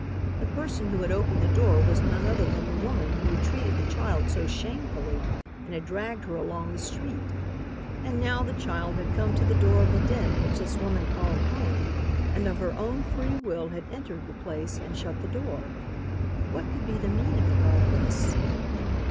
The person who had opened the door was none other than the woman who had treated the child so shamefully and had dragged her along the street. And now the child had come to the door of the den which this woman called home and of her own free will had entered the place and shut the door. What could be the meaning of all this.